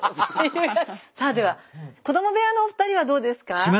さあでは子ども部屋のお二人はどうですか？